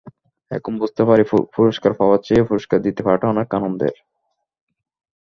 এখন বুঝতে পারি পুরস্কার পাওয়ার চেয়ে পুরস্কার দিতে পারাটা অনেক আনন্দের।